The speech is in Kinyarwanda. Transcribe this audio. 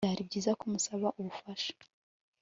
Byari byiza ko musaba ubufasha